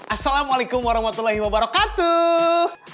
assalamualaikum warahmatullahi wabarakatuh